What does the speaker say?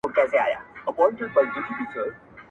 ژوند خو د ميني په څېر ډېره خوشالي نه لري.